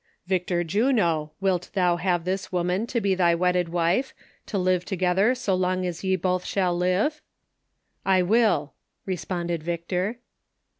" Victor Juno, wilt thou have this woman to be thy wedded wife, to live together so long as ye both shall live ?" 388 THE SOCIAL WAR OF 1900; OR, "I will," responded Victor.